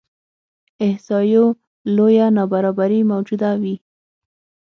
احصایو لویه نابرابري موجوده وي.